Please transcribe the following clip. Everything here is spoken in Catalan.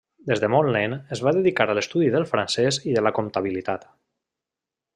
Des de molt nen es va dedicar a l'estudi del francès i de la comptabilitat.